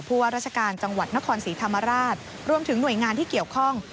ว่าราชการจังหวัดนครศรีธรรมราชรวมถึงหน่วยงานที่เกี่ยวข้อง